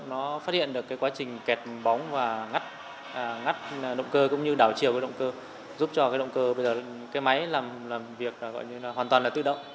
nó phát hiện được quá trình kẹt bóng và ngắt động cơ cũng như đảo chiều động cơ giúp cho động cơ làm việc hoàn toàn tự động